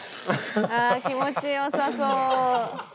気持ちよさそう。